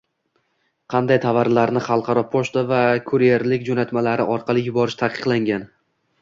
Qanday tovarlarni xalqaro pochta va kurerlik jo’natmalari orqali yuborish taqiqlangan?